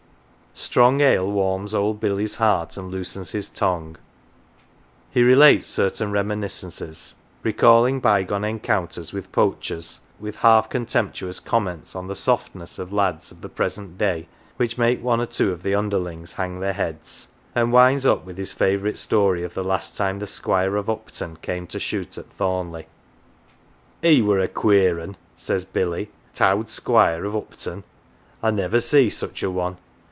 Strong ale warms old Billy's heart and loosens his tongue. He relates certain reminiscences ; recalling bygone encounters with poachers, with half contemptuous comments on the " softness " of lads of the present day, which make one or two of the underlings hang their heads ; and winds up with his favourite story of the last time the Squire of Upton came to shoot at Thornleigh. " He were a queer 'un," says Billy, " t'owd Squire of Upton. I niver see such a one.